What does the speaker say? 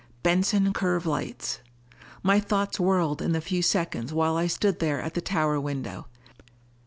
Benson curve lights! My thoughts whirled in the few seconds while I stood there at the tower window.